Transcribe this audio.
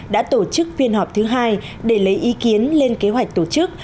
đã tổ chức phiên họp thứ hai để lấy ý kiến lên kế hoạch tổ chức